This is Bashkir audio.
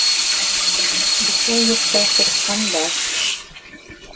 Бесәй юҡта сысҡан баш.